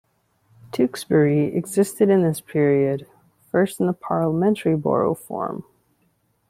Tewkesbury existed in this period, first in the parliamentary borough form.